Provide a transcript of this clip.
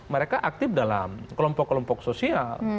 mereka aktif dalam kelompok kelompok sosial